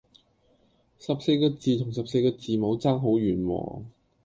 十四個字同十四個字母差好遠喎